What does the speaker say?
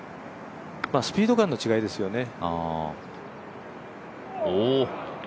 スピード感の違いですよね。